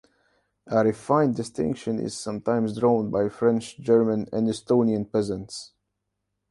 A refined distinction is sometimes drawn by French, German, and Estonian peasants.